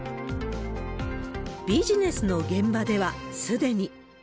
ビジネスの現場ではすでに。